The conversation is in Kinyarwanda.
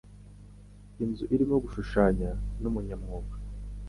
Inzu irimo gushushanya numunyamwuga.